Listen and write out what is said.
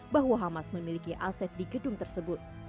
bahwa hamas memiliki aset di gedung tersebut